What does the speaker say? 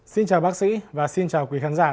xin chào bác sĩ và xin chào quý khán giả